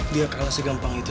dia kalah segampang itu